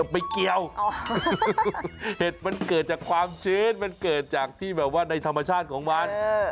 ไม่เกี่ยวเห็ดมันเกิดจากความชื้นมันเกิดจากที่แบบว่าในธรรมชาติของมัน